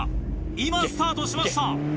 今スタートしました。